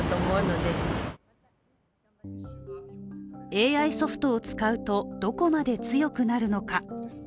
ＡＩソフトを使うと、どこまで強くなるのか。